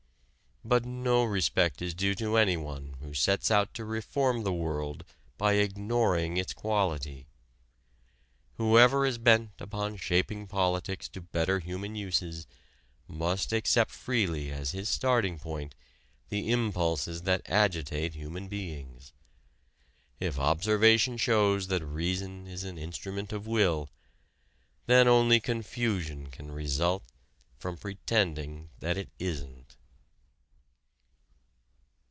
But no respect is due to anyone who sets out to reform the world by ignoring its quality. Whoever is bent upon shaping politics to better human uses must accept freely as his starting point the impulses that agitate human beings. If observation shows that reason is an instrument of will, then only confusion can result from pretending that it isn't.